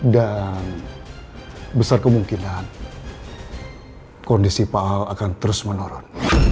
dan besar kemungkinan kondisi pak aldebaran akan terus menurun